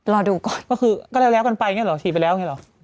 รอดูก่อนก็คือก็แล้วกันไปอย่างนี้เหรอฉีดไปแล้วอย่างนี้หรอ